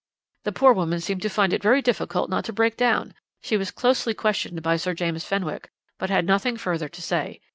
"The poor woman seemed to find it very difficult not to break down. She was closely questioned by Sir James Fenwick, but had nothing further to say.